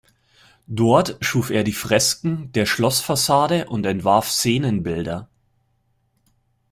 Dort schuf er die Fresken der Schlossfassade und entwarf Szenenbilder.